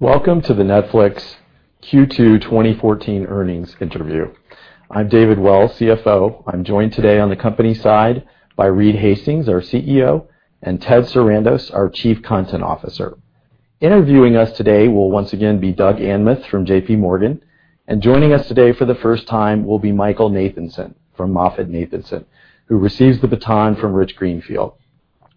Welcome to the Netflix Q2 2014 earnings interview. I'm David Wells, CFO. I'm joined today on the company side by Reed Hastings, our CEO, and Ted Sarandos, our Chief Content Officer. Interviewing us today will once again be Doug Anmuth from J.P. Morgan, and joining us today for the first time will be Michael Nathanson from MoffettNathanson, who receives the baton from Rich Greenfield.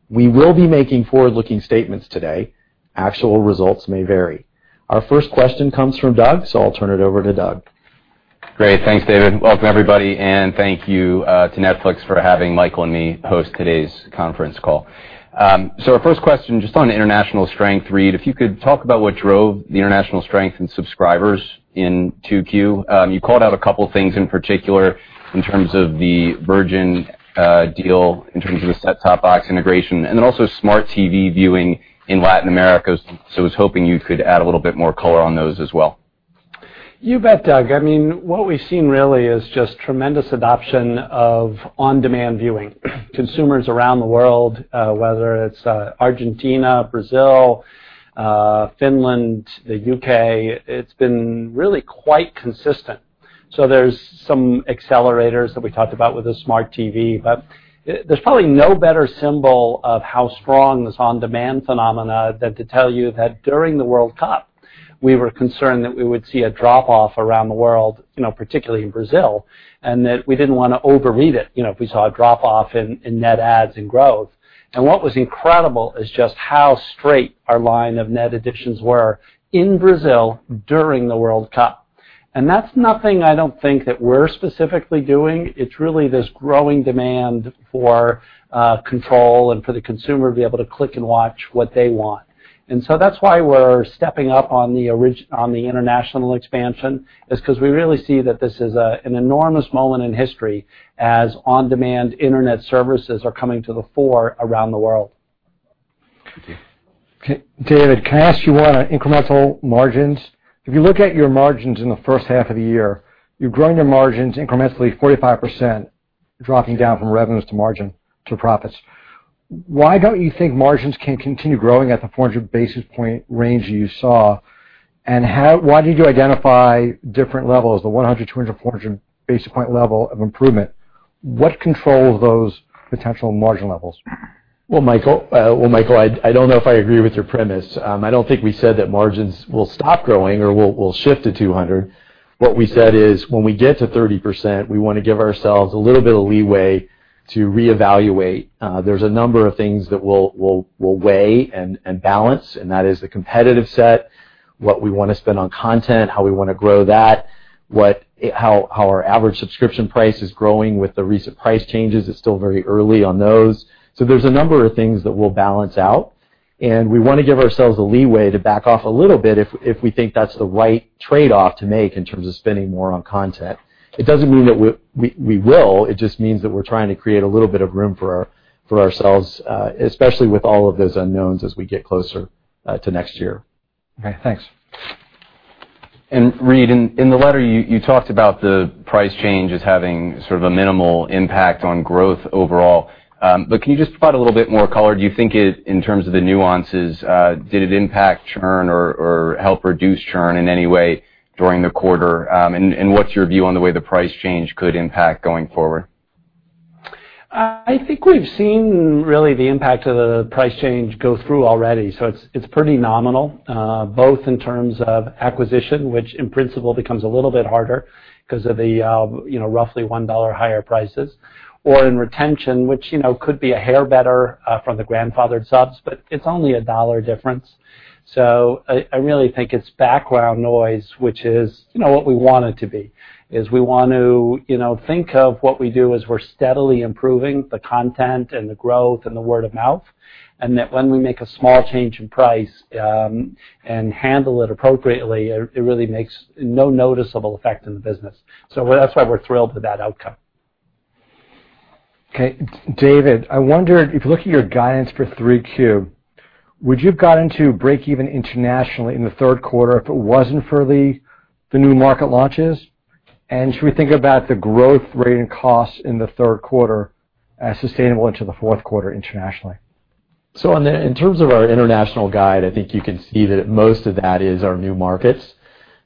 We will be making forward-looking statements today. Actual results may vary. Our first question comes from Doug. I'll turn it over to Doug. Great. Thanks, David. Welcome, everybody, and thank you to Netflix for having Michael and me host today's conference call. Our first question, just on international strength, Reed, if you could talk about what drove the international strength in subscribers in 2Q. You called out a couple things in particular in terms of the Virgin deal, in terms of the set-top box integration, and then also smart TV viewing in Latin America. I was hoping you could add a little bit more color on those as well. You bet, Doug. What we've seen really is just tremendous adoption of on-demand viewing. Consumers around the world, whether it's Argentina, Brazil, Finland, the U.K., it's been really quite consistent. There's some accelerators that we talked about with the smart TV, but there's probably no better symbol of how strong this on-demand phenomenon than to tell you that during the World Cup, we were concerned that we would see a drop-off around the world, particularly in Brazil, that we didn't want to overread it if we saw a drop-off in net adds and growth. What was incredible is just how straight our line of net additions were in Brazil during the World Cup. That's nothing I don't think that we're specifically doing. It's really this growing demand for control and for the consumer to be able to click and watch what they want. That's why we're stepping up on the international expansion, is because we really see that this is an enormous moment in history as on-demand internet services are coming to the fore around the world. Thank you. David, can I ask you one on incremental margins? If you look at your margins in the first half of the year, you're growing your margins incrementally 45%, dropping down from revenues to margin to profits. Why don't you think margins can continue growing at the 400-basis point range that you saw? Why did you identify different levels, the 100, 200, 400 basis point level of improvement? What controls those potential margin levels? Well, Michael, I don't know if I agree with your premise. I don't think we said that margins will stop growing or will shift to 200. What we said is when we get to 30%, we want to give ourselves a little bit of leeway to reevaluate. There's a number of things that we'll weigh and balance, and that is the competitive set, what we want to spend on content, how we want to grow that, how our average subscription price is growing with the recent price changes. It's still very early on those. There's a number of things that we'll balance out, and we want to give ourselves the leeway to back off a little bit if we think that's the right trade-off to make in terms of spending more on content. It doesn't mean that we will. It just means that we're trying to create a little bit of room for ourselves, especially with all of those unknowns as we get closer to next year. Okay, thanks. Reed, in the letter, you talked about the price changes having sort of a minimal impact on growth overall. Can you just provide a little bit more color? Do you think in terms of the nuances, did it impact churn or help reduce churn in any way during the quarter? What's your view on the way the price change could impact going forward? I think we've seen really the impact of the price change go through already. It's pretty nominal, both in terms of acquisition, which in principle becomes a little bit harder because of the roughly $1 higher prices, or in retention, which could be a hair better from the grandfathered subs, it's only a dollar difference. I really think it's background noise, which is what we want it to be, is we want to think of what we do as we're steadily improving the content and the growth and the word of mouth, and that when we make a small change in price and handle it appropriately, it really makes no noticeable effect on the business. That's why we're thrilled with that outcome. Okay. David, I wonder, if you look at your guidance for 3Q, would you have gotten to breakeven internationally in the third quarter if it wasn't for the new market launches? Should we think about the growth rate and costs in the third quarter as sustainable into the fourth quarter internationally? In terms of our international guide, I think you can see that most of that is our new markets.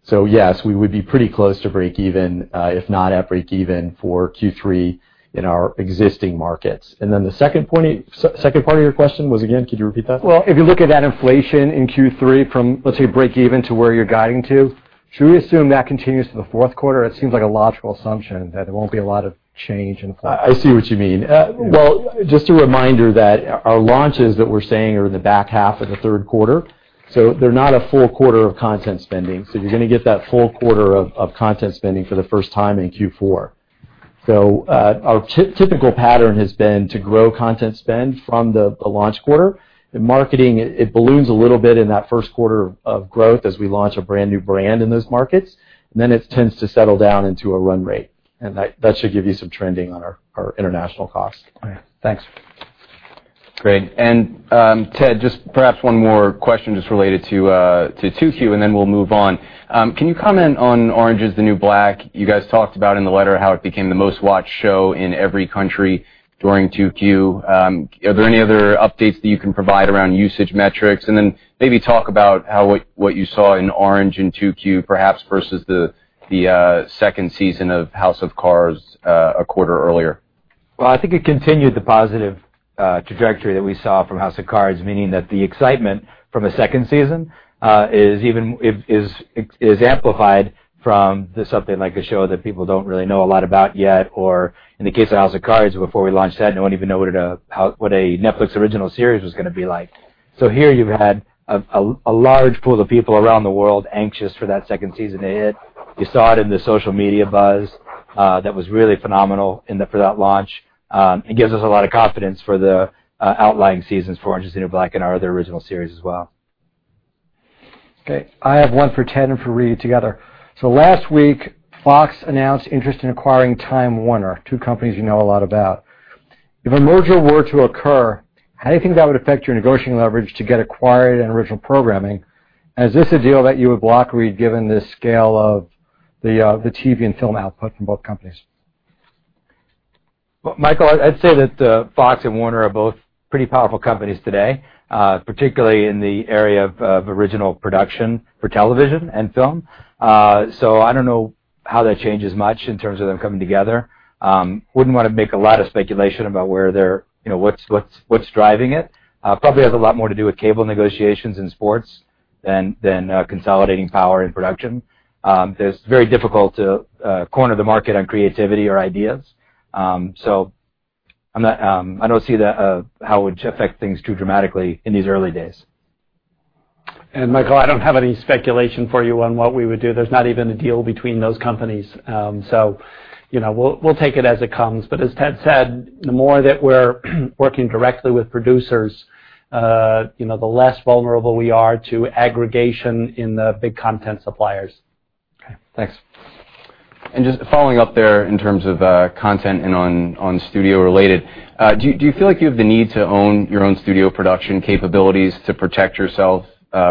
Yes, we would be pretty close to breakeven, if not at breakeven, for Q3 in our existing markets. The second part of your question was again? Could you repeat that? If you look at that inflation in Q3 from, let's say, breakeven to where you're guiding to, should we assume that continues to the fourth quarter? It seems like a logical assumption that there won't be a lot of change. I see what you mean. Just a reminder that our launches that we're saying are in the back half of the third quarter. They're not a full quarter of content spending. You're going to get that full quarter of content spending for the first time in Q4. Our typical pattern has been to grow content spend from the launch quarter. In marketing, it balloons a little bit in that first quarter of growth as we launch a brand-new brand in those markets. It tends to settle down into a run rate. That should give you some trending on our international costs. Okay. Thanks. Great. Ted, just perhaps one more question just related to 2Q and then we'll move on. Can you comment on "Orange Is the New Black"? You guys talked about in the letter how it became the most-watched show in every country during 2Q. Are there any other updates that you can provide around usage metrics? Then maybe talk about what you saw in Orange in 2Q perhaps versus the second season of "House of Cards" a quarter earlier. Well, I think it continued the positive trajectory that we saw from "House of Cards," meaning that the excitement from a second season is amplified from something like a show that people don't really know a lot about yet, or in the case of "House of Cards," before we launched that, no one even know what a Netflix original series was going to be like. Here you've had a large pool of people around the world anxious for that second season to hit. You saw it in the social media buzz. That was really phenomenal for that launch. It gives us a lot of confidence for the outlying seasons for "Orange Is the New Black" and our other original series as well. Okay. I have one for Ted and for Reed together. Last week, Fox announced interest in acquiring Time Warner, two companies you know a lot about. If a merger were to occur, how do you think that would affect your negotiating leverage to get acquired and original programming? Is this a deal that you would block, Reed, given the scale of the TV and film output from both companies? Well, Michael, I'd say that Fox and Warner are both pretty powerful companies today, particularly in the area of original production for television and film. I don't know how that changes much in terms of them coming together. Wouldn't want to make a lot of speculation about what's driving it. Probably has a lot more to do with cable negotiations in sports than consolidating power in production. It's very difficult to corner the market on creativity or ideas. I don't see how it would affect things too dramatically in these early days. Michael, I don't have any speculation for you on what we would do. There's not even a deal between those companies. We'll take it as it comes. As Ted said, the more that we're working directly with producers, the less vulnerable we are to aggregation in the big content suppliers. Okay, thanks. Just following up there in terms of content and on studio-related, do you feel like you have the need to own your own studio production capabilities to protect yourself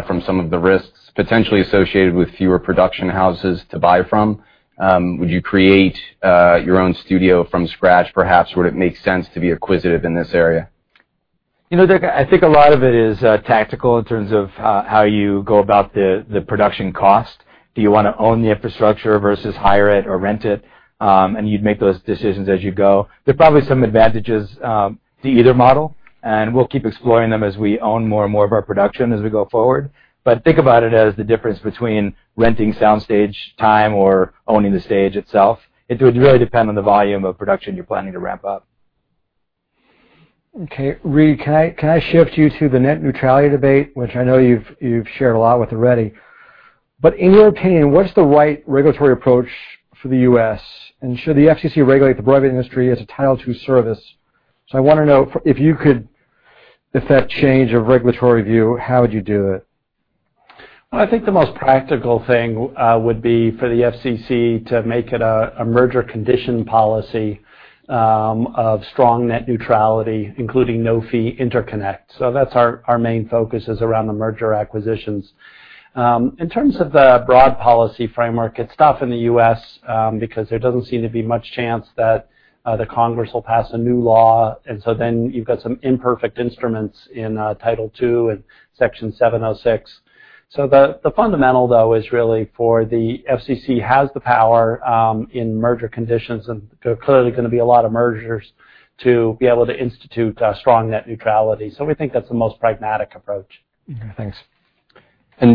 from some of the risks potentially associated with fewer production houses to buy from? Would you create your own studio from scratch, perhaps? Would it make sense to be acquisitive in this area? Derek, I think a lot of it is tactical in terms of how you go about the production cost. Do you want to own the infrastructure versus hire it or rent it? You'd make those decisions as you go. There are probably some advantages to either model, we'll keep exploring them as we own more and more of our production as we go forward. Think about it as the difference between renting soundstage time or owning the stage itself. It would really depend on the volume of production you're planning to ramp up. Okay, Reed, can I shift you to the net neutrality debate, which I know you've shared a lot with already. In your opinion, what is the right regulatory approach for the U.S.? Should the FCC regulate the broadband industry as a Title II service? I want to know if you could effect change of regulatory view, how would you do it? I think the most practical thing would be for the FCC to make it a merger condition policy of strong net neutrality, including no-fee interconnect. That's our main focus, is around the merger acquisitions. In terms of the broad policy framework, it's tough in the U.S. because there doesn't seem to be much chance that the Congress will pass a new law, then you've got some imperfect instruments in Title II and Section 706. The fundamental, though, is really for the FCC has the power in merger conditions, and there are clearly going to be a lot of mergers to be able to institute strong net neutrality. We think that's the most pragmatic approach. Okay, thanks.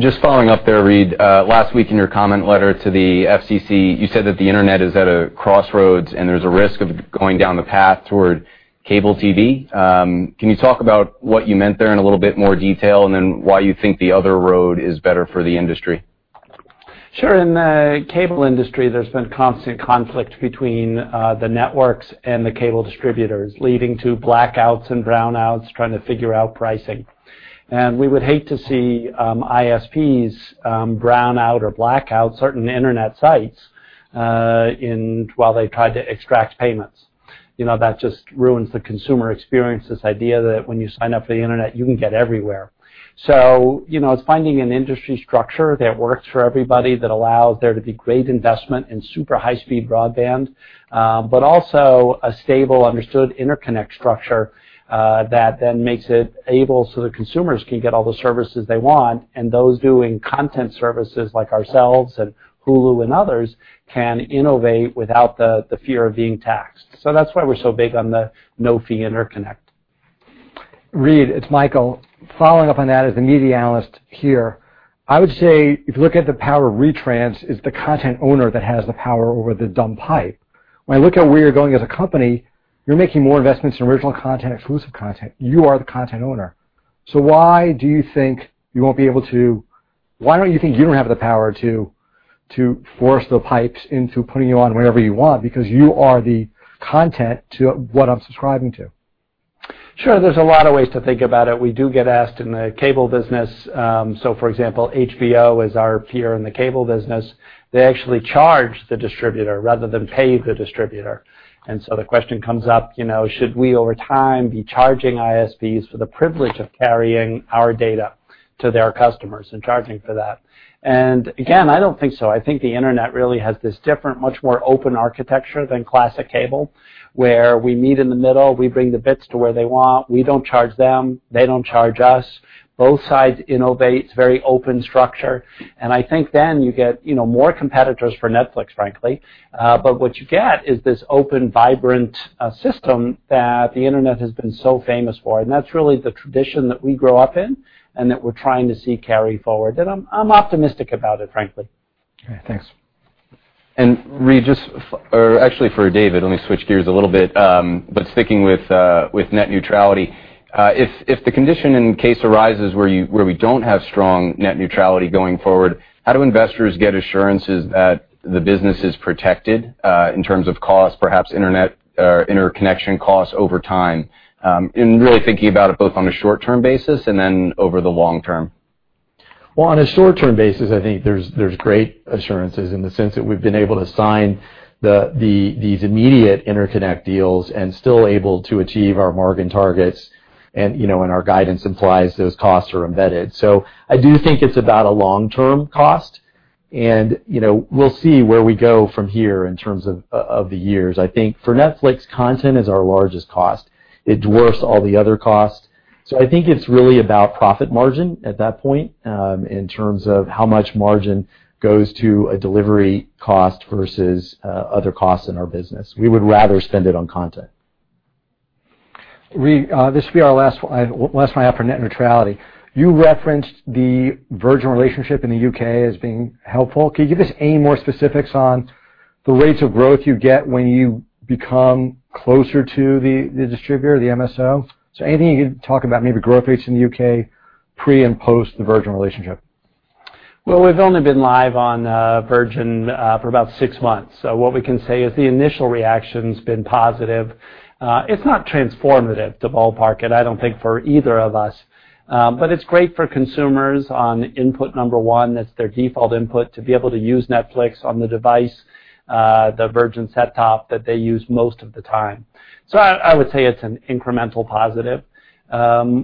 Just following up there, Reed, last week in your comment letter to the FCC, you said that the internet is at a crossroads and there's a risk of going down the path toward cable TV. Can you talk about what you meant there in a little bit more detail, why you think the other road is better for the industry? Sure. In the cable industry, there's been constant conflict between the networks and the cable distributors, leading to blackouts and brownouts, trying to figure out pricing. We would hate to see ISPs brown out or blackout certain internet sites while they tried to extract payments. That just ruins the consumer experience, this idea that when you sign up for the internet, you can get everywhere. It's finding an industry structure that works for everybody, that allows there to be great investment in super high-speed broadband. Also a stable, understood interconnect structure that then makes it able so that consumers can get all the services they want, and those doing content services like ourselves and Hulu and others can innovate without the fear of being taxed. That's why we're so big on the no-fee interconnect. Reed, it's Michael. Following up on that as a media analyst here, I would say, if you look at the power of retrans is the content owner that has the power over the dumb pipe. When I look at where you're going as a company, you're making more investments in original content, exclusive content. You are the content owner. Why don't you think you don't have the power to force the pipes into putting you on whenever you want? Because you are the content to what I'm subscribing to. Sure. There's a lot of ways to think about it. We do get asked in the cable business. For example, HBO is our peer in the cable business. They actually charge the distributor rather than pay the distributor. The question comes up, should we over time be charging ISPs for the privilege of carrying our data to their customers and charging for that? Again, I don't think so. I think the Internet really has this different, much more open architecture than classic cable, where we meet in the middle, we bring the bits to where they want. We don't charge them, they don't charge us. Both sides innovate, very open structure. I think you get more competitors for Netflix, frankly. What you get is this open, vibrant system that the Internet has been so famous for. That's really the tradition that we grew up in and that we're trying to see carry forward. I'm optimistic about it, frankly. Okay, thanks. Reed, or actually for David, let me switch gears a little bit, but sticking with net neutrality. If the condition and case arises where we don't have strong net neutrality going forward, how do investors get assurances that the business is protected, in terms of cost, perhaps Internet or interconnection costs over time? Really thinking about it both on a short-term basis and then over the long term. On a short-term basis, I think there's great assurances in the sense that we've been able to sign these immediate interconnect deals and still able to achieve our margin targets and our guidance implies those costs are embedded. I do think it's about a long-term cost, and we'll see where we go from here in terms of the years. I think for Netflix, content is our largest cost. It dwarfs all the other costs. I think it's really about profit margin at that point, in terms of how much margin goes to a delivery cost versus other costs in our business. We would rather spend it on content. Reed, this will be our last one I have for net neutrality. You referenced the Virgin relationship in the U.K. as being helpful. Can you give us any more specifics on the rates of growth you get when you become closer to the distributor, the MSO? Anything you can talk about, maybe growth rates in the U.K. pre- and post-the Virgin relationship? We've only been live on Virgin for about six months, what we can say is the initial reaction's been positive. It's not transformative to ballpark it, I don't think for either of us. It's great for consumers on input number one, that's their default input, to be able to use Netflix on the device, the Virgin set-top that they use most of the time. I would say it's an incremental positive.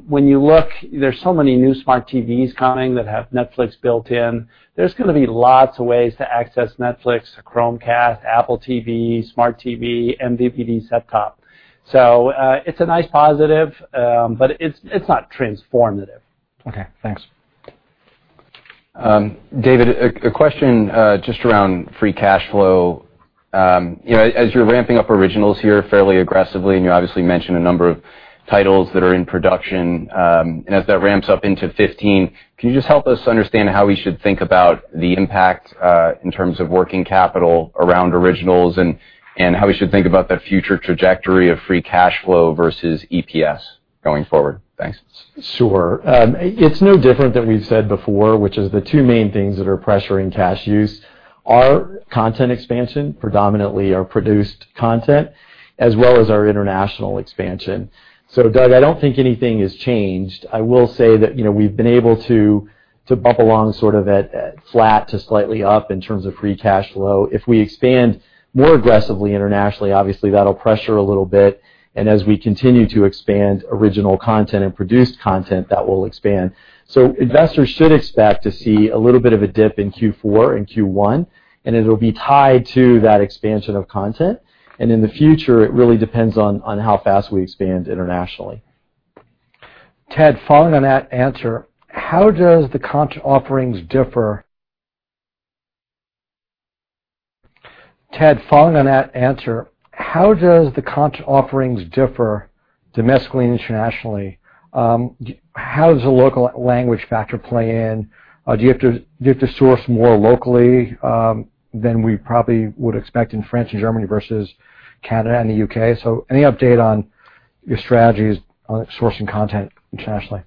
When you look, there's so many new smart TVs coming that have Netflix built in. There's going to be lots of ways to access Netflix, Chromecast, Apple TV, Smart TV, MVPD set-top. It's a nice positive, but it's not transformative. Okay, thanks. David, a question just around free cash flow. As you're ramping up originals here fairly aggressively, and you obviously mentioned a number of titles that are in production, and as that ramps up into 2015, can you just help us understand how we should think about the impact in terms of working capital around originals and how we should think about the future trajectory of free cash flow versus EPS going forward? Thanks. Sure. It's no different than we've said before, which is the two main things that are pressuring cash use are content expansion, predominantly our produced content, as well as our international expansion. Doug, I don't think anything has changed. I will say that we've been able to bump along sort of at flat to slightly up in terms of free cash flow. If we expand more aggressively internationally, obviously that'll pressure a little bit, and as we continue to expand original content and produced content, that will expand. Investors should expect to see a little bit of a dip in Q4 and Q1, and it'll be tied to that expansion of content. In the future, it really depends on how fast we expand internationally. Ted, following on that answer, how does the content offerings differ domestically and internationally? How does the local language factor play in? Do you have to source more locally than we probably would expect in France and Germany versus Canada and the U.K.? Any update on your strategies on sourcing content internationally?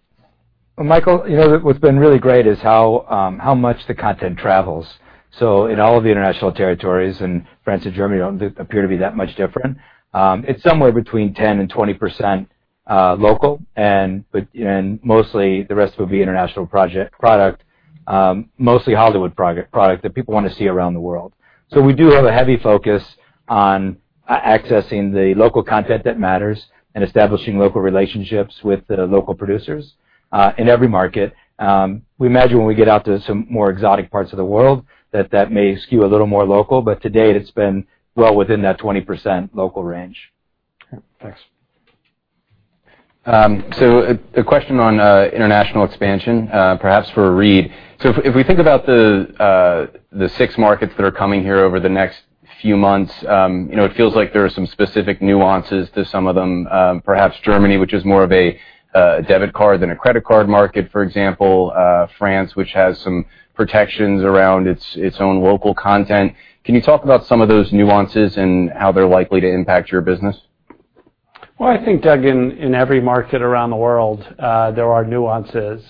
Michael, what's been really great is how much the content travels. In all of the international territories, France and Germany don't appear to be that much different. It's somewhere between 10%-20% local, mostly the rest would be international product, mostly Hollywood product that people want to see around the world. We do have a heavy focus on accessing the local content that matters and establishing local relationships with the local producers in every market. We imagine when we get out to some more exotic parts of the world that that may skew a little more local. To date, it's been well within that 20% local range. Okay, thanks. A question on international expansion, perhaps for Reed. If we think about the six markets that are coming here over the next few months, it feels like there are some specific nuances to some of them. Perhaps Germany, which is more of a debit card than a credit card market, for example. France, which has some protections around its own local content. Can you talk about some of those nuances and how they're likely to impact your business? I think, Doug, in every market around the world, there are nuances.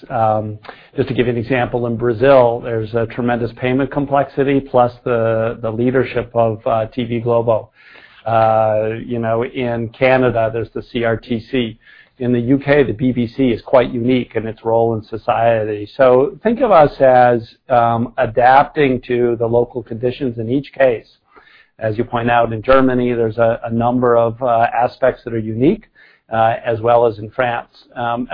Just to give you an example, in Brazil, there's a tremendous payment complexity plus the leadership of TV Globo. In Canada, there's the CRTC. In the U.K., the BBC is quite unique in its role in society. Think of us as adapting to the local conditions in each case. As you point out, in Germany, there's a number of aspects that are unique, as well as in France.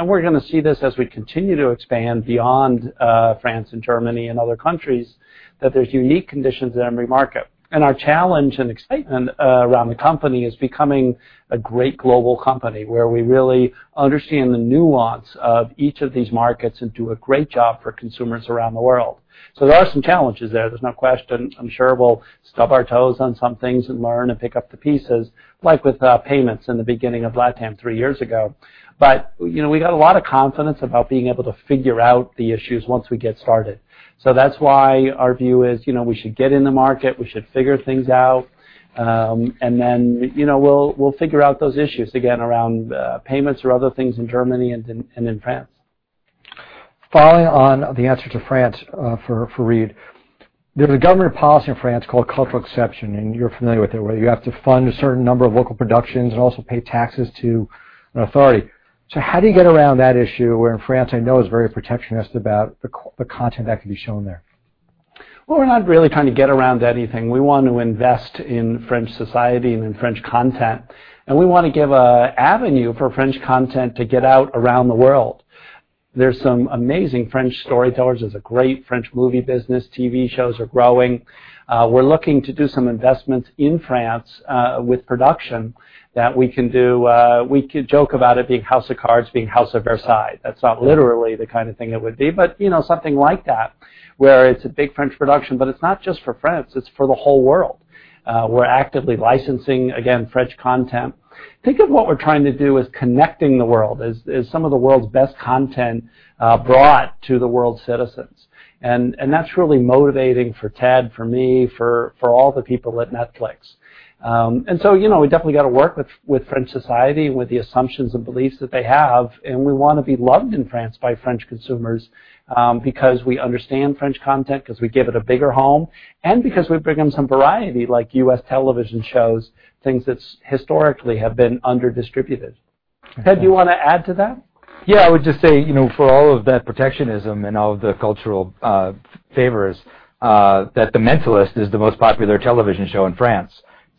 We're going to see this as we continue to expand beyond France and Germany and other countries, that there's unique conditions in every market. Our challenge and excitement around the company is becoming a great global company, where we really understand the nuance of each of these markets and do a great job for consumers around the world. There are some challenges there's no question. I'm sure we'll stub our toes on some things and learn and pick up the pieces, like with payments in the beginning of LATAM three years ago. We got a lot of confidence about being able to figure out the issues once we get started. That's why our view is we should get in the market, we should figure things out, and then we'll figure out those issues, again, around payments or other things in Germany and in France. Following on the answer to France for Reed Hastings. There's a government policy in France called l'exception culturelle, and you're familiar with it, where you have to fund a certain number of local productions and also pay taxes to an authority. How do you get around that issue where in France I know is very protectionist about the content that can be shown there? Well, we're not really trying to get around anything. We want to invest in French society and in French content, and we want to give an avenue for French content to get out around the world. There's some amazing French storytellers. There's a great French movie business. TV shows are growing. We're looking to do some investments in France with production that we can do. We could joke about it being "House of Cards" being House of Versailles. That's not literally the kind of thing it would be, something like that, where it's a big French production, but it's not just for France, it's for the whole world. We're actively licensing, again, French content. Think of what we're trying to do as connecting the world, as some of the world's best content brought to the world's citizens. That's really motivating for Ted, for me, for all the people at Netflix. We definitely got to work with French society and with the assumptions and beliefs that they have, and we want to be loved in France by French consumers because we understand French content, because we give it a bigger home, and because we bring them some variety, like U.S. television shows, things that historically have been under-distributed. Okay. Ted, do you want to add to that? I would just say for all of that protectionism and all of the cultural favors, that "The Mentalist" is the most popular television show in France.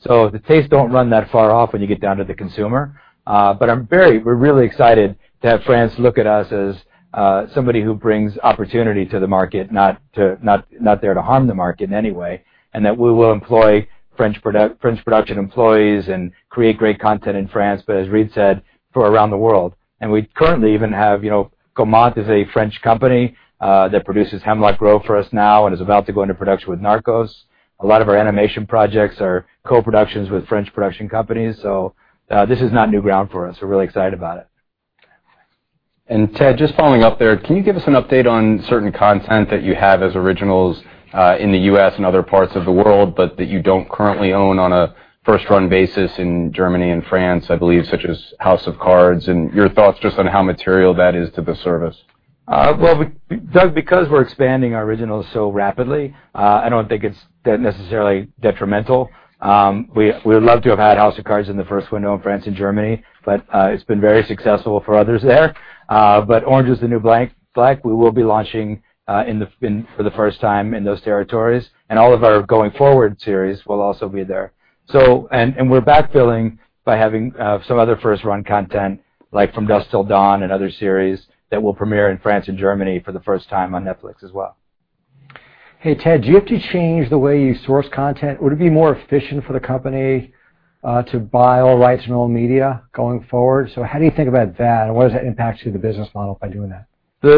The tastes don't run that far off when you get down to the consumer. We're really excited to have France look at us as somebody who brings opportunity to the market, not there to harm the market in any way, and that we will employ French production employees and create great content in France, but as Reed said, for around the world. We currently even have Gaumont is a French company that produces "Hemlock Grove" for us now and is about to go into production with "Narcos." A lot of our animation projects are co-productions with French production companies, so this is not new ground for us. We're really excited about it. Ted, just following up there, can you give us an update on certain content that you have as originals in the U.S. and other parts of the world, but that you don't currently own on a first-run basis in Germany and France, I believe, such as "House of Cards," and your thoughts just on how material that is to the service? Well, Doug, because we're expanding our originals so rapidly, I don't think it's necessarily detrimental. We would love to have had "House of Cards" in the first window in France and Germany, but it's been very successful for others there. "Orange Is the New Black" we will be launching for the first time in those territories, and all of our going-forward series will also be there. We're backfilling by having some other first-run content, like "From Dusk till Dawn" and other series that will premiere in France and Germany for the first time on Netflix as well. Hey, Ted, do you have to change the way you source content? Would it be more efficient for the company to buy all rights from all media going forward? How do you think about that, and what does that impact to the business model by doing that?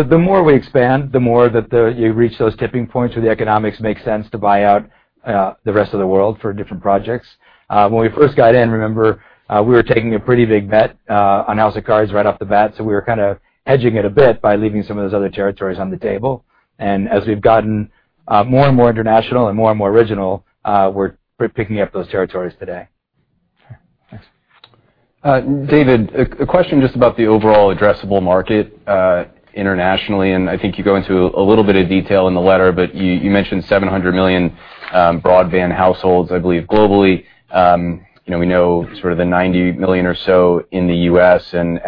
The more we expand, the more that you reach those tipping points where the economics make sense to buy out the rest of the world for different projects. When we first got in, remember, we were taking a pretty big bet on "House of Cards" right off the bat, so we were kind of hedging it a bit by leaving some of those other territories on the table. As we've gotten more and more international and more and more original, we're picking up those territories today. Sure. Thanks. David, a question just about the overall addressable market internationally. I think you go into a little bit of detail in the letter, you mentioned 700 million broadband households, I believe, globally. We know sort of the 90 million or so in the U.S. and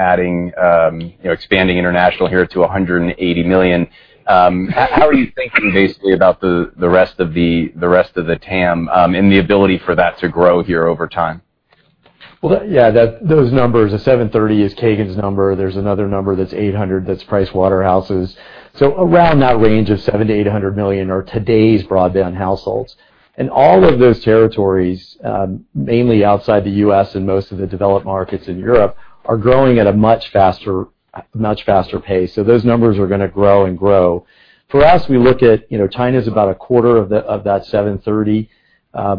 expanding international here to 180 million. How are you thinking basically about the rest of the TAM and the ability for that to grow here over time? Well, yeah, those numbers, the 730 is Kagan's number. There's another number that's 800, that's PricewaterhouseCoopers's. Around that range of 700 million-800 million are today's broadband households. All of those territories, mainly outside the U.S. and most of the developed markets in Europe, are growing at a much faster pace. Those numbers are going to grow and grow. For us, we look at China's about a quarter of that 730.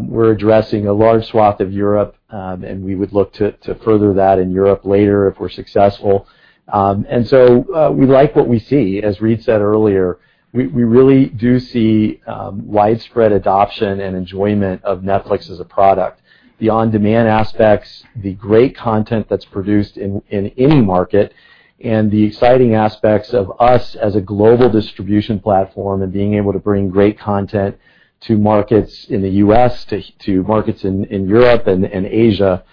We're addressing a large swath of Europe, we would look to further that in Europe later if we're successful. We like what we see. As Reed said earlier, we really do see widespread adoption and enjoyment of Netflix as a product. The on-demand aspects, the great content that's produced in any market The exciting aspects of us as a global distribution platform and being able to bring great content to markets in the U.S., to markets in Europe and Asia,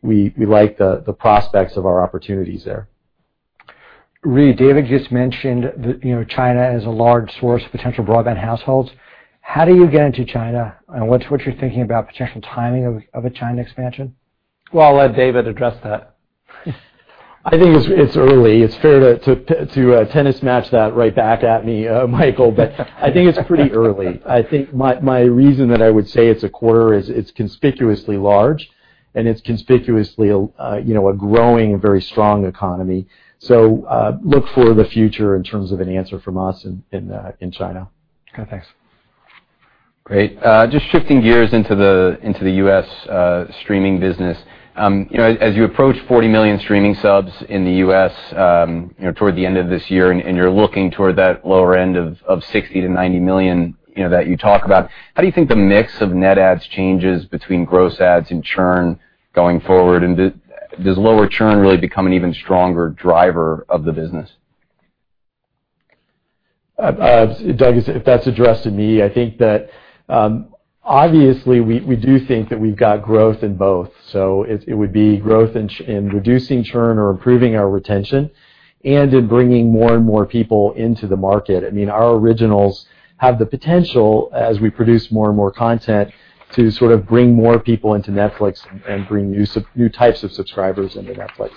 we like the prospects of our opportunities there. Reed, David just mentioned that China is a large source of potential broadband households. How do you get into China, and what's your thinking about potential timing of a China expansion? Well, I'll let David address that. I think it's early. It's fair to tennis match that right back at me, Michael, but I think it's pretty early. I think my reason that I would say it's a quarter is it's conspicuously large and it's conspicuously a growing very strong economy. Look for the future in terms of an answer from us in China. Okay, thanks. Great. Just shifting gears into the U.S. streaming business. As you approach 40 million streaming subs in the U.S. toward the end of this year, and you're looking toward that lower end of 60 million-90 million that you talk about, how do you think the mix of net adds changes between gross adds and churn going forward? Does lower churn really become an even stronger driver of the business? Doug, if that's addressed to me, I think that obviously, we do think that we've got growth in both. It would be growth in reducing churn or improving our retention and in bringing more and more people into the market. Our originals have the potential, as we produce more and more content, to sort of bring more people into Netflix and bring new types of subscribers into Netflix.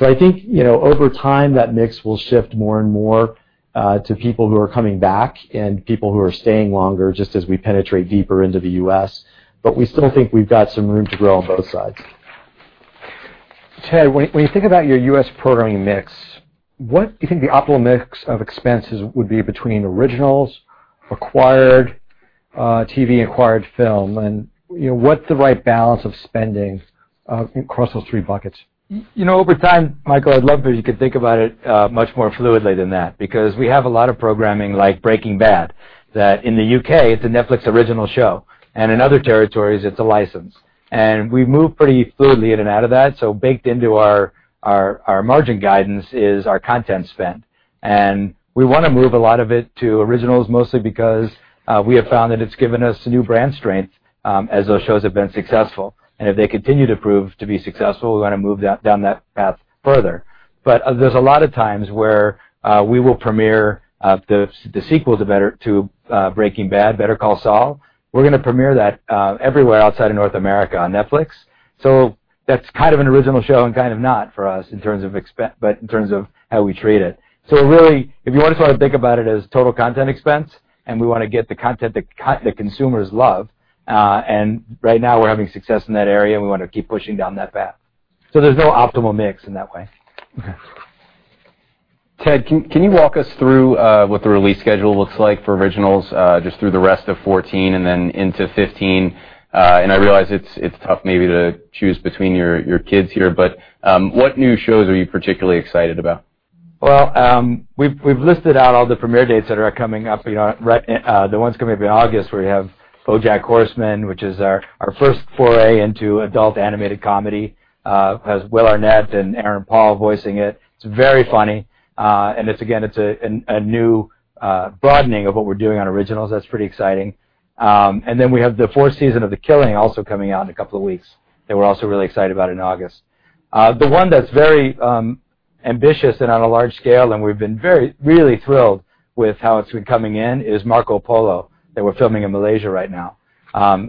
I think over time, that mix will shift more and more to people who are coming back and people who are staying longer, just as we penetrate deeper into the U.S., but we still think we've got some room to grow on both sides. Ted, when you think about your U.S. programming mix, what do you think the optimal mix of expenses would be between originals, acquired TV, acquired film, and what's the right balance of spending across those three buckets? Over time, Michael, I'd love that you could think about it much more fluidly than that because we have a lot of programming like "Breaking Bad" that in the U.K., it's a Netflix original show, and in other territories, it's a license. We move pretty fluidly in and out of that, so baked into our margin guidance is our content spend. We want to move a lot of it to originals, mostly because we have found that it's given us new brand strength as those shows have been successful. If they continue to prove to be successful, we're going to move down that path further. There's a lot of times where we will premiere the sequel to "Breaking Bad," "Better Call Saul." We're going to premiere that everywhere outside of North America on Netflix. That's kind of an original show and kind of not for us in terms of how we treat it. Really, if you want to sort of think about it as total content expense, and we want to get the content that consumers love. Right now, we're having success in that area, and we want to keep pushing down that path. There's no optimal mix in that way. Okay. Ted, can you walk us through what the release schedule looks like for originals just through the rest of 2014 and then into 2015? I realize it's tough maybe to choose between your kids here, what new shows are you particularly excited about? Well, we've listed out all the premiere dates that are coming up. The ones coming up in August, we have "BoJack Horseman," which is our first foray into adult animated comedy. It has Will Arnett and Aaron Paul voicing it. It's very funny. It's, again, a new broadening of what we're doing on originals that's pretty exciting. We have the fourth season of "The Killing" also coming out in a couple of weeks that we're also really excited about in August. The one that's very ambitious and on a large scale, and we've been really thrilled with how it's been coming in, is "Marco Polo" that we're filming in Malaysia right now.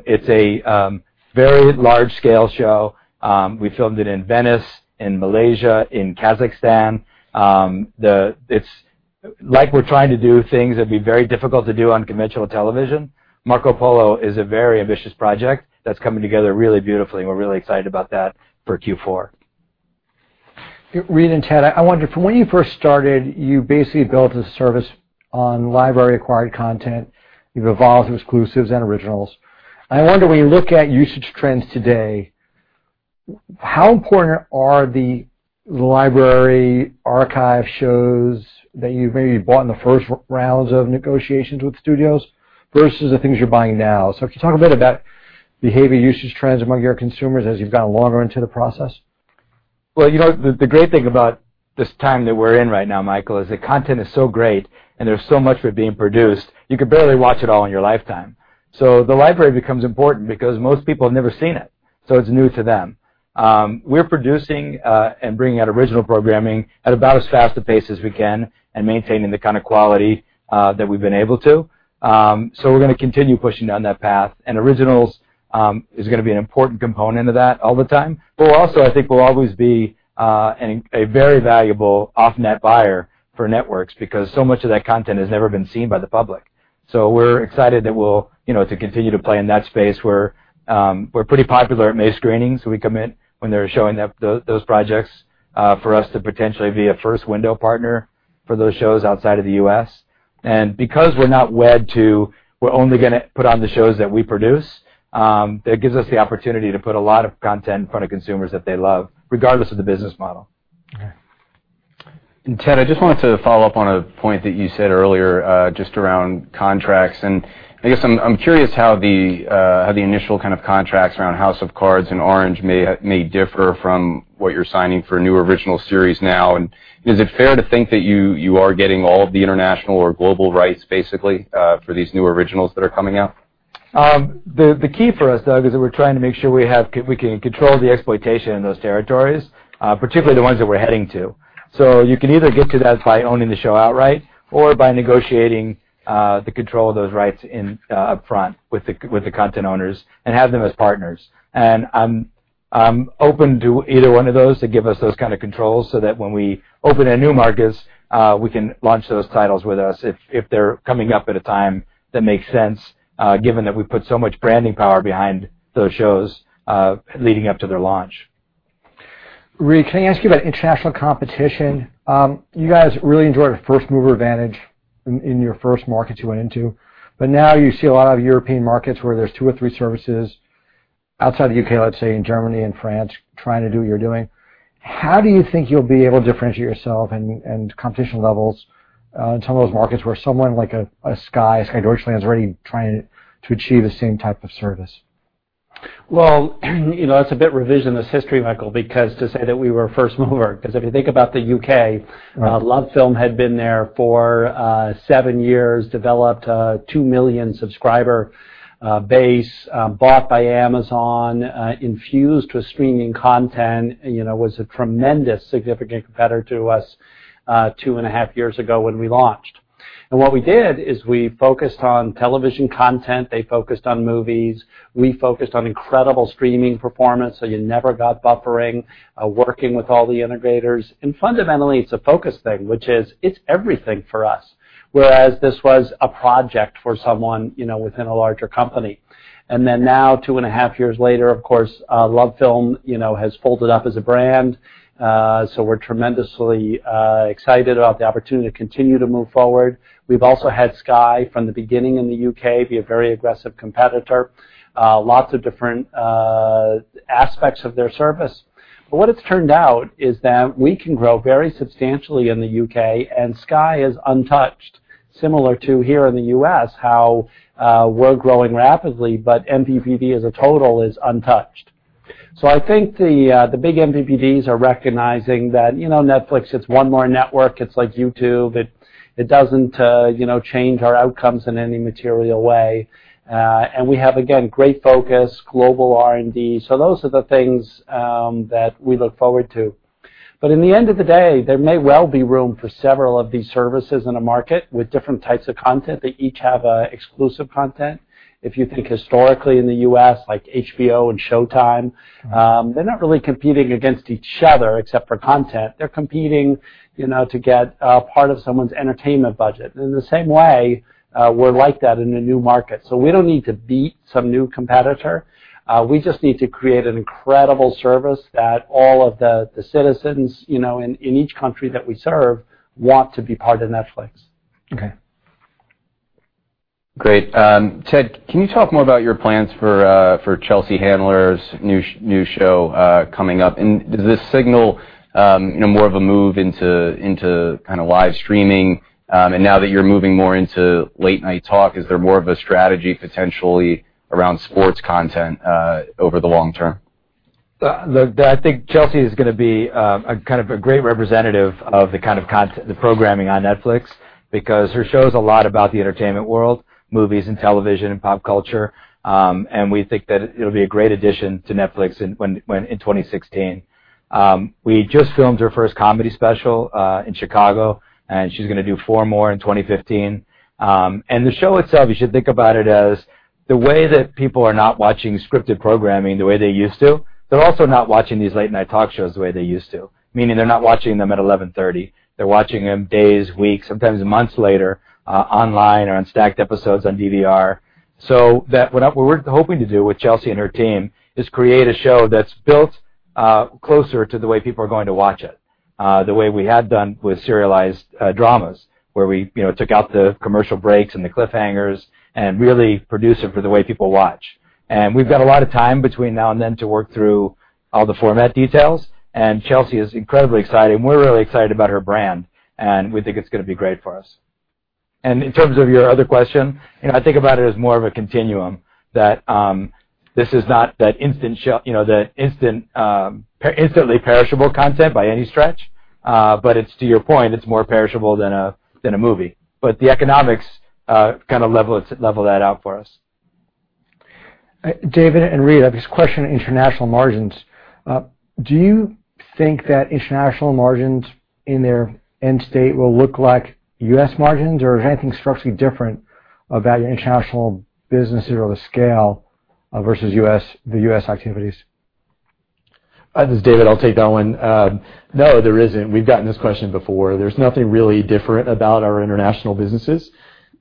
It's a very large-scale show. We filmed it in Venice, in Malaysia, in Kazakhstan. Like we're trying to do things that'd be very difficult to do on conventional television. Marco Polo" is a very ambitious project that's coming together really beautifully, we're really excited about that for Q4. Reed and Ted, I wonder, from when you first started, you basically built a service on library-acquired content. You've evolved to exclusives and originals. I wonder, when you look at usage trends today, how important are the library archive shows that you've maybe bought in the first rounds of negotiations with studios versus the things you're buying now? If you could talk a bit about behavior usage trends among your consumers as you've gotten longer into the process. Well, the great thing about this time that we're in right now, Michael, is that content is so great and there's so much of it being produced, you could barely watch it all in your lifetime. The library becomes important because most people have never seen it, so it's new to them. We're producing and bringing out original programming at about as fast a pace as we can and maintaining the kind of quality that we've been able to. We're going to continue pushing down that path, and originals is going to be an important component of that all the time. We'll also, I think, will always be a very valuable off-net buyer for networks because so much of that content has never been seen by the public. We're excited to continue to play in that space where we're pretty popular at LA screenings. We come in when they're showing those projects for us to potentially be a first-window partner for those shows outside of the U.S. Because we're not wed to we're only going to put on the shows that we produce, that gives us the opportunity to put a lot of content in front of consumers that they love, regardless of the business model. Okay. Ted, I just wanted to follow up on a point that you said earlier just around contracts. I guess I'm curious how the initial kind of contracts around House of Cards and Orange may differ from what you're signing for a new original series now. Is it fair to think that you are getting all of the international or global rights, basically, for these new originals that are coming out? The key for us, Doug, is that we're trying to make sure we can control the exploitation in those territories, particularly the ones that we're heading to. You can either get to that by owning the show outright or by negotiating the control of those rights upfront with the content owners and have them as partners. I'm open to either one of those to give us those kind of controls so that when we open in new markets, we can launch those titles with us if they're coming up at a time that makes sense, given that we put so much branding power behind those shows leading up to their launch. Reed, can I ask you about international competition? You guys really enjoyed a first-mover advantage in your first markets you went into, but now you see a lot of European markets where there's two or three services outside the U.K., let's say, in Germany and France, trying to do what you're doing. How do you think you'll be able to differentiate yourself and competition levels in some of those markets where someone like a Sky, a Sky Deutschland, is already trying to achieve the same type of service? Well, that's a bit revisionist history, Michael, because to say that we were first mover, because if you think about the U.K. Right LoveFilm had been there for seven years, developed a 2 million subscriber base, bought by Amazon, infused with streaming content, was a tremendous significant competitor to us two and a half years ago when we launched. What we did is we focused on television content. They focused on movies. We focused on incredible streaming performance, so you never got buffering, working with all the integrators. Fundamentally, it's a focus thing, which is, it's everything for us, whereas this was a project for someone within a larger company. Then now, two and a half years later, of course, LoveFilm has folded up as a brand. We're tremendously excited about the opportunity to continue to move forward. We've also had Sky from the beginning in the U.K. be a very aggressive competitor. Lots of different aspects of their service. What it's turned out is that we can grow very substantially in the U.K., and Sky is untouched, similar to here in the U.S., how we're growing rapidly, but MVPD as a total is untouched. I think the big MVPDs are recognizing that Netflix is one more network. It's like YouTube. It doesn't change our outcomes in any material way. We have, again, great focus, global R&D. Those are the things that we look forward to. In the end of the day, there may well be room for several of these services in a market with different types of content. They each have exclusive content. If you think historically in the U.S., like HBO and Showtime. they're not really competing against each other except for content. They're competing to get a part of someone's entertainment budget. In the same way, we're like that in a new market. We don't need to beat some new competitor. We just need to create an incredible service that all of the citizens in each country that we serve want to be part of Netflix. Okay. Great. Ted, can you talk more about your plans for Chelsea Handler's new show coming up? Does this signal more of a move into kind of live streaming? Now that you're moving more into late-night talk, is there more of a strategy potentially around sports content over the long term? Look, I think Chelsea is going to be a great representative of the kind of programming on Netflix because her show is a lot about the entertainment world, movies and television and pop culture. We think that it'll be a great addition to Netflix in 2016. We just filmed her first comedy special in Chicago, and she's going to do four more in 2015. The show itself, you should think about it as the way that people are not watching scripted programming the way they used to. They're also not watching these late-night talk shows the way they used to, meaning they're not watching them at 11:30 P.M. They're watching them days, weeks, sometimes months later, online or on stacked episodes on DVR. What we're hoping to do with Chelsea and her team is create a show that's built closer to the way people are going to watch it. The way we had done with serialized dramas, where we took out the commercial breaks and the cliffhangers and really produce it for the way people watch. We've got a lot of time between now and then to work through all the format details, and Chelsea is incredibly exciting. We're really excited about her brand, and we think it's going to be great for us. In terms of your other question, I think about it as more of a continuum, that this is not that instantly perishable content by any stretch. To your point, it's more perishable than a movie. The economics kind of level that out for us. David and Reed, I have this question on international margins. Do you think that international margins in their end state will look like US margins? Or is there anything structurally different about your international businesses or the scale versus the US activities? This is David. I'll take that one. No, there isn't. We've gotten this question before. There's nothing really different about our international businesses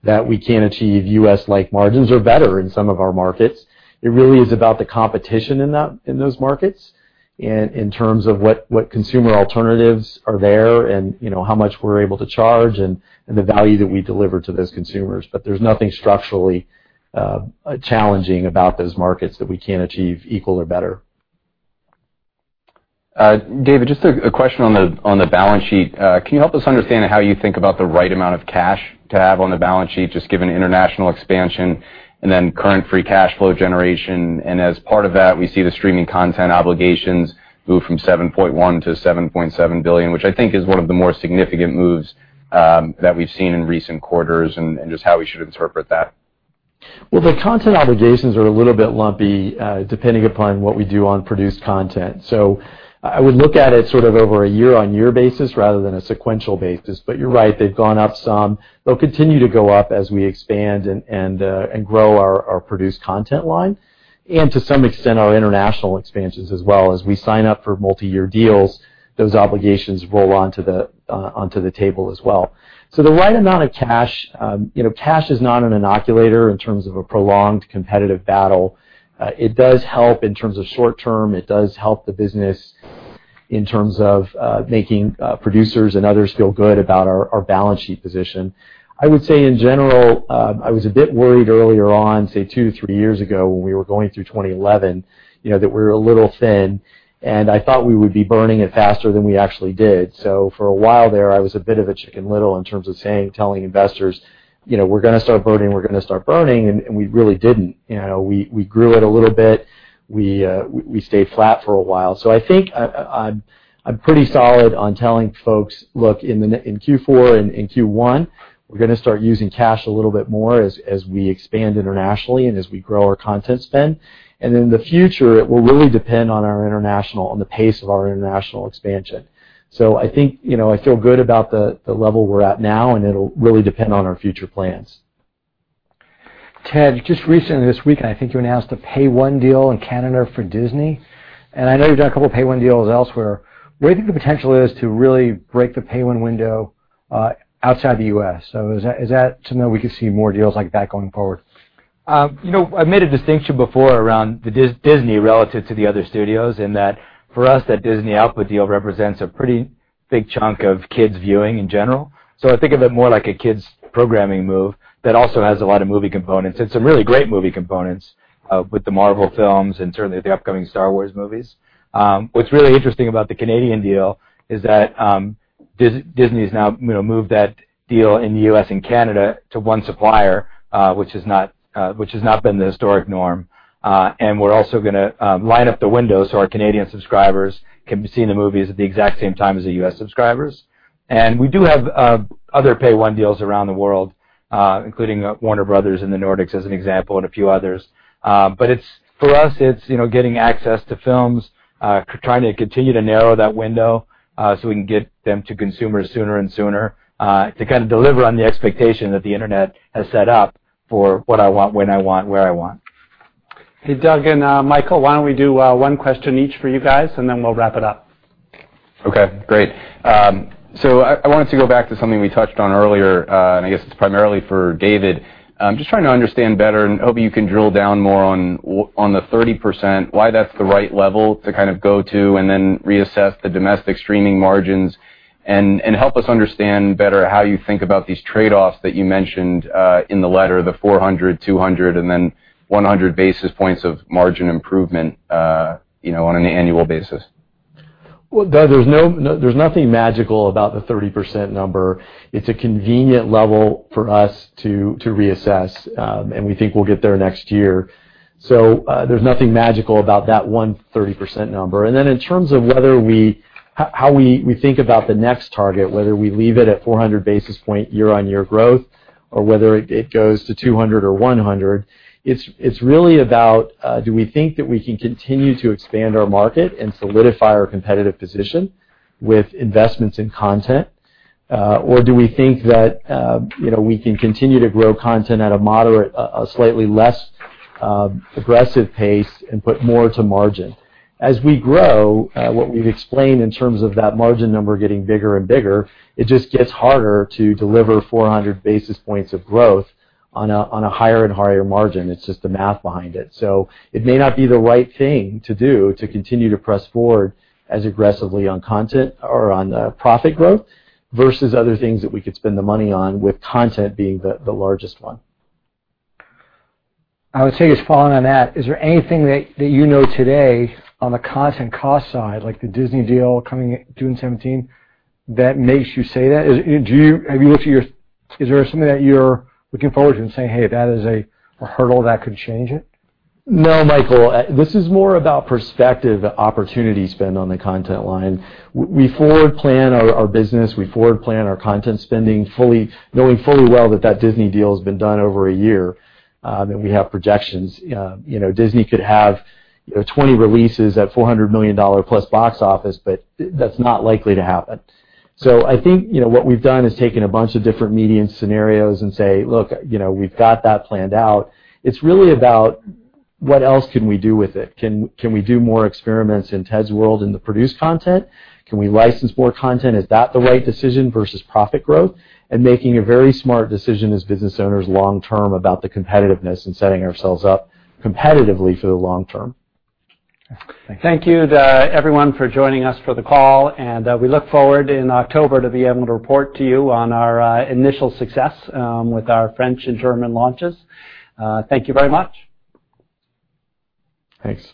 that we can't achieve US-like margins or better in some of our markets. It really is about the competition in those markets in terms of what consumer alternatives are there and how much we're able to charge and the value that we deliver to those consumers. There's nothing structurally challenging about those markets that we can't achieve equal or better. David, just a question on the balance sheet. Can you help us understand how you think about the right amount of cash to have on the balance sheet, just given international expansion and then current free cash flow generation? As part of that, we see the streaming content obligations move from $7.1 billion to $7.7 billion, which I think is one of the more significant moves that we've seen in recent quarters, and just how we should interpret that. Well, the content obligations are a little bit lumpy, depending upon what we do on produced content. I would look at it sort of over a year-on-year basis rather than a sequential basis. You're right, they've gone up some. They'll continue to go up as we expand and grow our produced content line and to some extent, our international expansions as well. As we sign up for multi-year deals, those obligations roll onto the table as well. The right amount of cash. Cash is not an inoculator in terms of a prolonged competitive battle. It does help in terms of short term. It does help the business in terms of making producers and others feel good about our balance sheet position. I would say, in general, I was a bit worried earlier on, say, two, three years ago, when we were going through 2011, that we were a little thin, and I thought we would be burning it faster than we actually did. For a while there, I was a bit of a Chicken Little in terms of telling investors, "We're going to start burning. We're going to start burning," and we really didn't. We grew it a little bit. We stayed flat for a while. I think I'm pretty solid on telling folks, "Look, in Q4 and in Q1, we're going to start using cash a little bit more as we expand internationally and as we grow our content spend." In the future, it will really depend on the pace of our international expansion. I think I feel good about the level we're at now, it'll really depend on our future plans. Ted, just recently this week, and I think you announced a pay one deal in Canada for Disney, and I know you've done a couple of pay one deals elsewhere. Where do you think the potential is to really break the pay one window outside the U.S.? Is that something that we could see more deals like that going forward? I've made a distinction before around the Disney relative to the other studios, in that for us, that Disney output deal represents a pretty big chunk of kids viewing in general. I think of it more like a kids programming move that also has a lot of movie components. It's some really great movie components with the Marvel films and certainly the upcoming "Star Wars" movies. What's really interesting about the Canadian deal is that Disney's now moved that deal in the U.S. and Canada to one supplier, which has not been the historic norm. We're also going to line up the windows so our Canadian subscribers can be seeing the movies at the exact same time as the U.S. subscribers. We do have other pay one deals around the world, including Warner Bros. in the Nordics, as an example, and a few others. For us, it's getting access to films, trying to continue to narrow that window so we can get them to consumers sooner and sooner to kind of deliver on the expectation that the internet has set up for what I want, when I want, where I want. Hey, Doug and Michael, why don't we do one question each for you guys, and then we'll wrap it up. Okay, great. I wanted to go back to something we touched on earlier, and I guess it's primarily for David. Just trying to understand better and hoping you can drill down more on the 30%, why that's the right level to kind of go to and then reassess the domestic streaming margins. Help us understand better how you think about these trade-offs that you mentioned in the letter, the 400, 200, and then 100 basis points of margin improvement on an annual basis. Well, Doug, there's nothing magical about the 30% number. It's a convenient level for us to reassess, and we think we'll get there next year. There's nothing magical about that one 30% number. In terms of how we think about the next target, whether we leave it at 400 basis point year-on-year growth, or whether it goes to 200 or 100, it's really about do we think that we can continue to expand our market and solidify our competitive position with investments in content, or do we think that we can continue to grow content at a slightly less aggressive pace and put more to margin? As we grow, what we've explained in terms of that margin number getting bigger and bigger, it just gets harder to deliver 400 basis points of growth on a higher and higher margin. It's just the math behind it. It may not be the right thing to do to continue to press forward as aggressively on content or on profit growth versus other things that we could spend the money on, with content being the largest one. I would say just following on that, is there anything that you know today on the content cost side, like the Disney deal coming June 2017, that makes you say that? Is there something that you're looking forward to and saying, "Hey, that is a hurdle that could change it? No, Michael, this is more about perspective opportunity spend on the content line. We forward plan our business. We forward plan our content spending, knowing fully well that that Disney deal has been done over a year. That we have projections. Disney could have 20 releases at $400 million-plus box office, but that's not likely to happen. I think what we've done is taken a bunch of different median scenarios and say, "Look, we've got that planned out." It's really about what else can we do with it. Can we do more experiments in Ted's world in the produced content? Can we license more content? Is that the right decision versus profit growth? Making a very smart decision as business owners long term about the competitiveness and setting ourselves up competitively for the long term. Thank you. Thank you to everyone for joining us for the call. We look forward in October to be able to report to you on our initial success with our French and German launches. Thank you very much. Thanks.